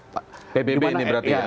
pbb ini berarti ya